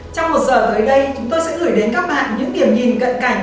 trong một giờ tới đây chúng tôi sẽ gửi đến các bạn những kiểm nhìn gần cảnh